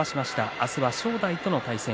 明日は正代との対戦。